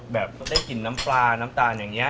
ได้กลิ่นน้ำปลาน้ำตาลอย่างนี้